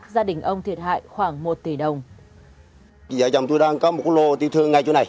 gia đình ông thiệt hại khoảng một tỷ đồng